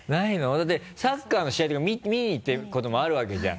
だってサッカーの試合とか見に行ってることもあるわけじゃん。